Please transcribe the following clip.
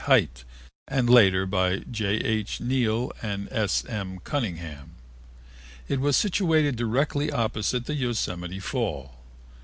Hite and later by J. H. Neal and S. M. Cunningham. It was situated directly opposite the Yosemite Fall.